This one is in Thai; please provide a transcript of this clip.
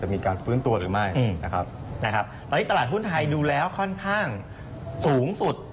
มีการฟื้นตัวหรือไม่นะครับนะครับตอนนี้ตลาดหุ้นไทยดูแล้วค่อนข้างสูงสุด